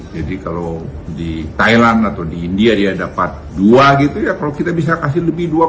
jadi kalau di thailand atau di india dia dapat dua gitu ya kalau kita bisa kasih lebih dua